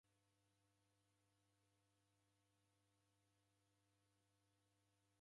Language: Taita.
Gha Mlungu mdamu ndedimagha